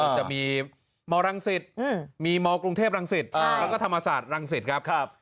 จะมีมรังสิตมีมกรุงเทพรังสิตแล้วก็ธรรมศาสตร์รังสิตครับ